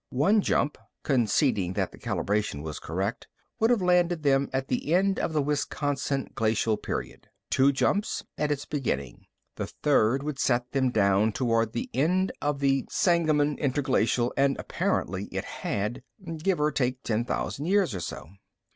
One jump (conceding that the calibration was correct) would have landed them at the end of the Wisconsin glacial period; two jumps, at its beginning. The third would set them down toward the end of the Sangamon Interglacial and apparently it had give or take ten thousand years or so.